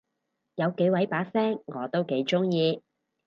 有幾位把聲我都幾中意